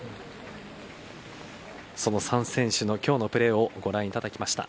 その３選手の今日のプレーをご覧いただきました。